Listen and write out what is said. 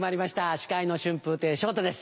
司会の春風亭昇太です。